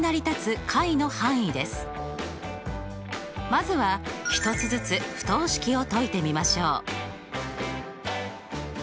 まずは１つずつ不等式を解いてみましょう。